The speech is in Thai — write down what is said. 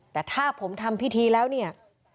แต่ถ้าผมทำพิธีแล้วเนี่ย